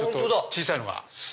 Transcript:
小さいのが。